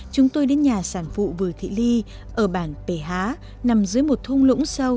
chúng tôi đến nhà sản phụ vừa thị ly ở bản ph nằm dưới một thôn lũng sâu